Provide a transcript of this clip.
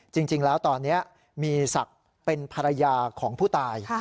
จริงแล้วตอนนี้มีศักดิ์เป็นภรรยาของผู้ตาย